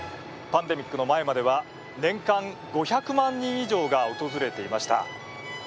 パンデミックの前までは年間５００万人以上が訪れていました。